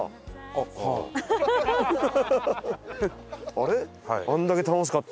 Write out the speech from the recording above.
あれ？